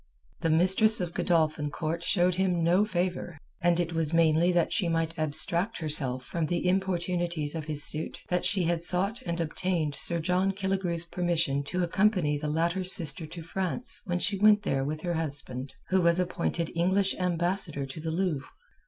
The mistress of Godolphin Court showed him no favour and it was mainly that she might abstract herself from the importunities of his suit that she had sought and obtained Sir John Killigrew's permission to accompany the latter's sister to France when she went there with her husband, who was appointed English ambassador to the Louvre.